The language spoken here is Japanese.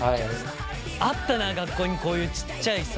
あったな学校にこういうちっちゃいさぁ。